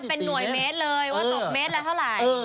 เป็นหน่วยเมตรเลยว่าตกเมตรละเท่าไหร่